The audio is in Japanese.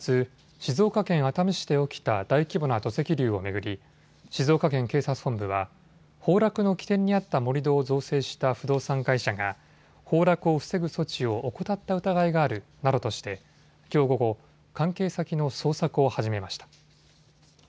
静岡県警察本部は崩落の起点にあった盛り土を造成した不動産会社が崩落を防ぐ措置を怠った疑いがあるなどとしてきょう午後、関係先の捜索を始めました。